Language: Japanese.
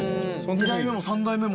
２代目も３代目も。